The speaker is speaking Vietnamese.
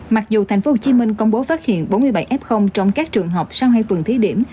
mặc dù tp hcm công bố phát hiện bốn mươi bảy f trong các trường học sau hai tuần thí điểm